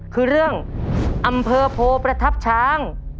คือเรื่องอำเภอโพประทับช้าง